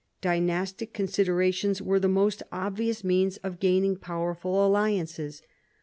Dynastic considerations were the most obvious means of gaining powerful alliances.